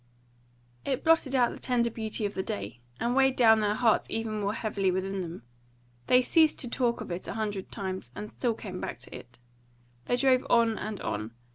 It blotted out the tender beauty of the day, and weighed down their hearts ever more heavily within them. They ceased to talk of it a hundred times, and still came back to it. They drove on and on.